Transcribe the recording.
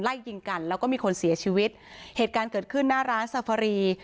ไล่ยิงกันแล้วก็มีคนเสียชีวิตเหตุการณ์เกิดขึ้นหน้าร้านซาฟารี